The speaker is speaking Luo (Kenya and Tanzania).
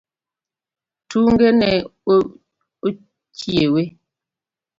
Tunge ne ochiewe.